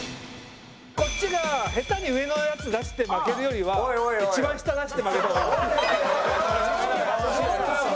こっちが下手に上のヤツ出して負けるよりは一番下出して負けた方がいい。